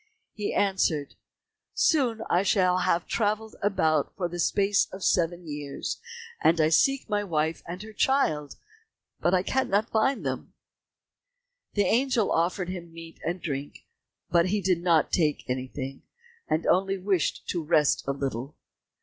He answered, "Soon shall I have travelled about for the space of seven years, and I seek my wife and her child, but cannot find them." The angel offered him meat and drink, but he did not take anything, and only wished to rest a little.